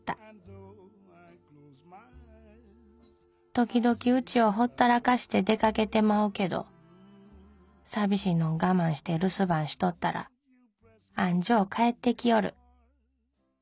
「ときどきうちをほったらかして出かけてまうけど寂しいのん我慢して留守番しとったらあんじょう帰ってきよる。